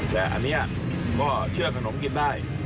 แต่อันนี้ก็เชื่อขนมกินได้